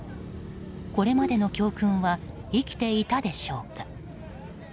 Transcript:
これまでの教訓は生きていたでしょうか。